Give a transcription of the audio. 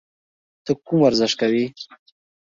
ته کوم ورزش کوې؟